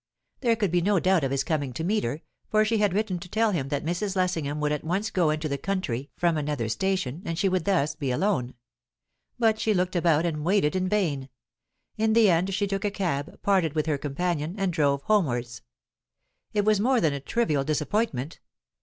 There could be no doubt of his coming to meet her, for she had written to tell him that Mrs. Lessingham would at once go into the country from another station, and she would thus be alone. But she looked about and waited in vain. In the end she took a cab, parted with her companion, and drove homewards. It was more than a trivial disappointment.